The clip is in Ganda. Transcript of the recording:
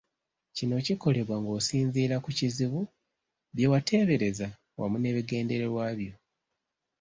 Kino kikolebwa ng’onsinziira ku kizibu, bye wateebereza wamu n’ebigendererwa byo.